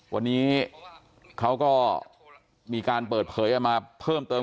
วันนี้เขาก็มีการเปิดเผยออกมาเพิ่มเติม